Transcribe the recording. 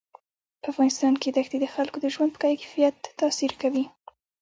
په افغانستان کې ښتې د خلکو د ژوند په کیفیت تاثیر کوي.